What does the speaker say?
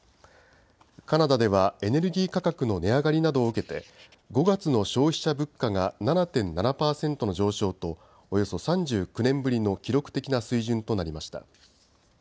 カナダではエネルギー価格の値上がりなどを受けて５月の消費者物価が７．７％の上昇とおよそ３９年ぶりの記録的な水準となりました。